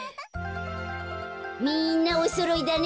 みんなおそろいだね。